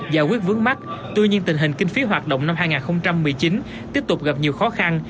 giải quyết vướng mắt tuy nhiên tình hình kinh phí hoạt động năm hai nghìn một mươi chín tiếp tục gặp nhiều khó khăn